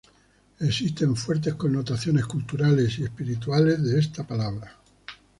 Existen fuertes connotaciones culturales y espirituales de esta palabra.